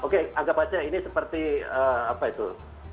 oke anggap aja ini seperti apa itu